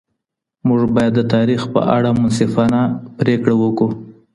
مونږ باید د تاریخ په اړه منصفانه پرېکړه وکړو.